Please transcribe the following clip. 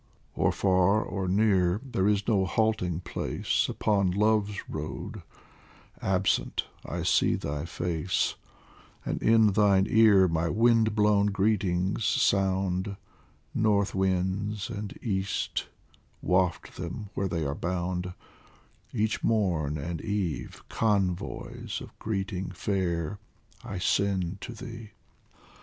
Or far or near there is no halting place Upon Love's road absent, I see thy face, And in thine ear my wind blown greetings sound, North winds and easb waft them where they are bound, Each morn and eve convoys of greeting fair I send to thee.